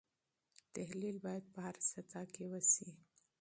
تحلیل باید په هره سطحه کې وسي.